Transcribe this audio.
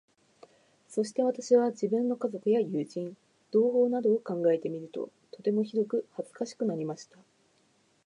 そして私は、自分の家族や友人、同胞などを考えてみると、とてもひどく恥かしくなりました。